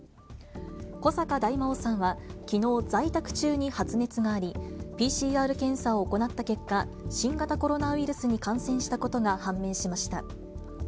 古坂大魔王さんはきのう、在宅中に発熱があり、ＰＣＲ検査を行った結果、新型コロナウイルスに感染したことが判明しました。